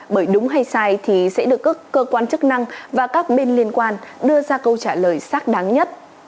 bởi đúng hay sai thì sẽ được các cơ quan chức năng và các bên liên quan đưa ra câu trả lời sắc đáng nhất